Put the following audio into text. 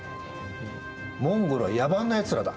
モンゴルは野蛮なやつらだ。